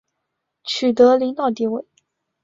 取得领导地位